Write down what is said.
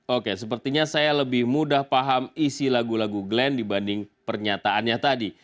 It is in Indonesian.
oke sepertinya saya lebih mudah paham isi lagu lagu glenn dibanding pernyataannya tadi